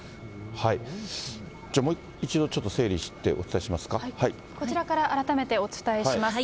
もう一度ちょっと整理してお伝えこちらから改めてお伝えします。